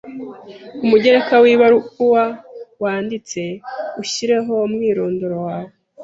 Ku mugereka w’ibaruwa wanditse, ushyireho umwirondoro wawe